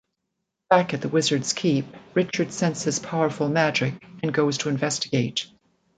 Back at the Wizard's Keep, Richard senses powerful magic and goes to investigate.